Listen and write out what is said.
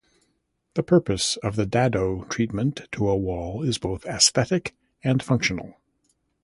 The purpose of the dado treatment to a wall is both aesthetic and functional.